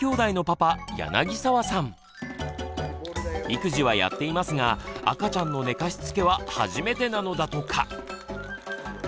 育児はやっていますが赤ちゃんの寝かしつけは初めてなのだとか！